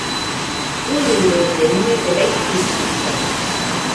ɨrɨrede, nɨese raitɨtɨkaɨ